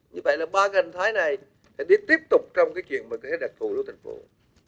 như vậy là ba gần thái này sẽ tiếp tục trong chuyện đặc thù của tp hcm